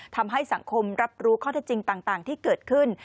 ทำให้สังคมรับรู้ข้อเท็จจริงต่างที่เกิดขึ้น